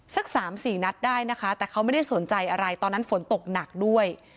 สักสามสี่นัดได้นะคะแต่เขาไม่ได้สนใจอะไรตอนนั้นฝนตกหนักด้วย